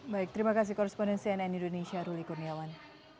baik terima kasih korrespondensi nn indonesia ruli kurniawan